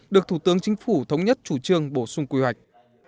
được thủ tướng chính phủ thống nhất chủ trương bổ sung quy hoạch